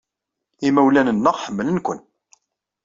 Imawlan-nneɣ ḥemmlen-ken.